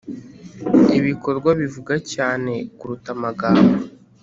ibikorwa bivuga cyane kuruta amagambo